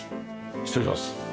失礼します。